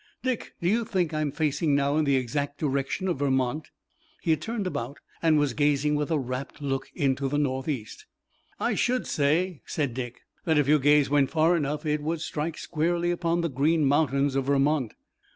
Dick, do you think I'm facing now in the exact direction of Vermont?" He had turned about and was gazing with a rapt look into the northeast. "I should say," said Dick, "that if your gaze went far enough it would strike squarely upon the Green Mountains of Vermont."